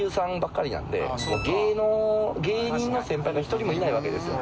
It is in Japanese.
芸人の先輩が１人もいないわけですよ。